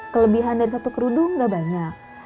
kelebihan dari satu kerudung gak banyak